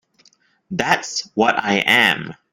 That's what I am.